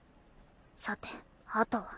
さてあとは。